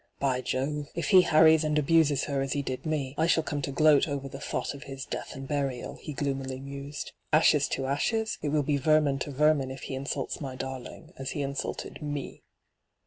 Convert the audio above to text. ' By Jove ! if he harriea and abuses her as he did me, I shall come to gloat over the thought of his death and burial,' he gloomily mused. ' Ashes to ashes ? It will be vermin to vermin if he insults my darling as he insulted me.'